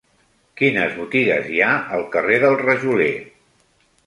Quines botigues hi ha al carrer del Rajoler?